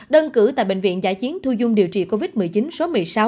đơn cử tại bệnh viện giải chiến thu dung điều trị covid một mươi chín số một mươi sáu